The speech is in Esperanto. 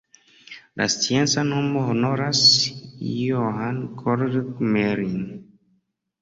La scienca nomo honoras Johann Georg Gmelin.